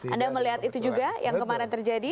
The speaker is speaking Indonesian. anda melihat itu juga yang kemarin terjadi